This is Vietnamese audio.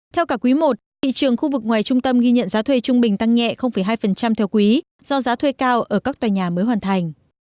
theo cả quý i thị trường khu vực ngoài trung tâm ghi nhận giá thuê trung bình tăng nhẹ hai theo quý do giá thuê cao ở các tòa nhà mới hoàn thành